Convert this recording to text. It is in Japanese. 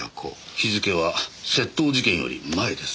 日付は窃盗事件より前です。